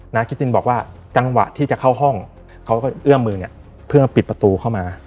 คิดตินบอกว่าจังหวะที่จะเข้าห้องเขาก็เอื้อมมือเนี่ยเพื่อปิดประตูเข้ามา